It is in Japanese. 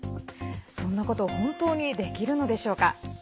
そんなこと本当にできるのでしょうか。